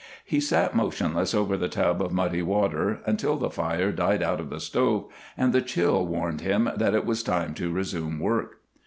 He sat motionless over the tub of muddy water until the fire died out of the stove and the chill warned him that it was time to resume work.